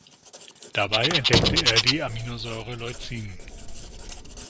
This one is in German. Dabei entdeckte er die Aminosäure Leucin.